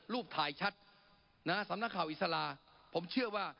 รูปถ่ายชัดนะฮะสำนักข่าวอิสระผมเชื่อว่า